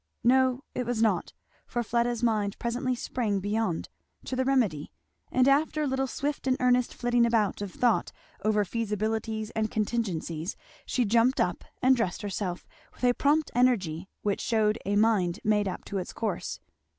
No, it was not, for Fleda's mind presently sprang beyond, to the remedy; and after a little swift and earnest flitting about of thought over feasibilities and contingencies, she jumped up and dressed herself with a prompt energy which shewed a mind made up to its course.